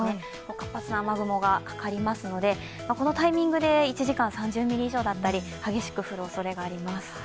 活発な雨雲がかかりますので、このタイミングで１時間３０ミリ以上だったり激しく降るおそれがあります。